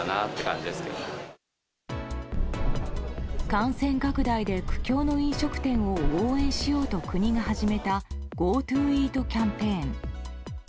感染拡大で苦境の飲食店を応援しようと国が始めたＧｏＴｏイートキャンペーン。